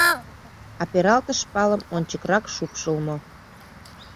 А пералтыш палым ончыкрак шупшылмо.